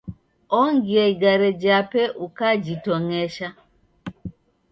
Ongia igare jape ukajitong'esha.